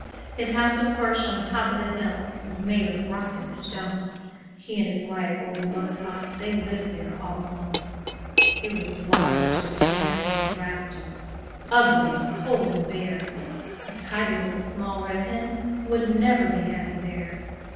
His house was perched on top of the hill, It was made of rock and stone; He and his wife, old Mother Fox, They lived there all alone. It was large and damp and draughty, Ugly and cold and bare; A tidy Little Small Red Hen Would never be happy there.